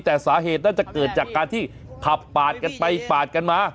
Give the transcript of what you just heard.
แต่สาเหตุน่าจะเกิดจากการที่ขับปาดกันไปปาดกันมา